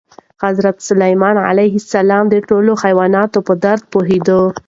حضرت سلیمان علیه السلام د ټولو حیواناتو په درد پوهېده.